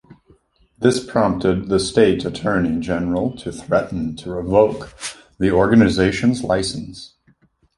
This prompted the state attorney general to threaten to revoke the organization's license.